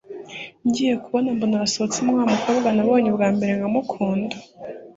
ngiye kubona mbona hasohotsemo wamukobwa nabonye ubwambere nkamukunda